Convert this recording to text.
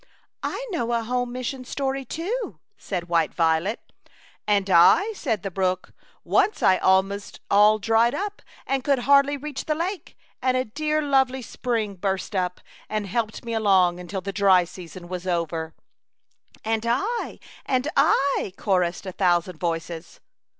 " I know a home mission story too," said White Violet. " And I," said the brook. " Once I was almost all dried up and could hardly reach the lake, and a dear FT t r I ■ I t A Chautauqua Idyl. 85 lovely spring burst up and helped me along until the dry season was over/' "And I, and I," chorused a thou sand voices.